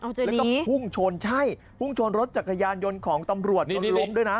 แล้วก็พุ่งชนใช่พุ่งชนรถจักรยานยนต์ของตำรวจจนล้มด้วยนะ